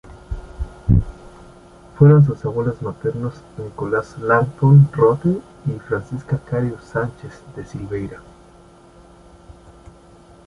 Fueron sus abuelos maternos Nicholas Langton Rothe y Francisca Carew Sánchez de Silveira.